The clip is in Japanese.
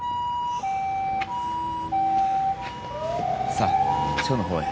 さあ署の方へ。